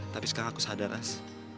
tapi sekarang aku sadar as